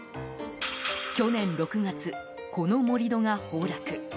去年６月、この盛り土が崩落。